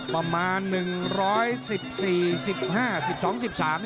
ประมาณหนึ่งร้อยสิบสี่สิบห้าสิบสองสิบสาม